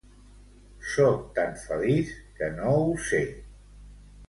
Soc tan feliç que no ho sé.